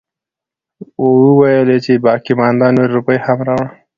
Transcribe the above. وويلې چې باقيمانده نورې روپۍ هم راوړه.